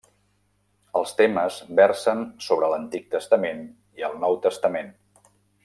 Els temes versen sobre l'Antic Testament i el Nou Testament.